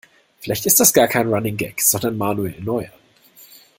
Vielleicht ist das gar kein Running Gag, sondern Manuel Neuer.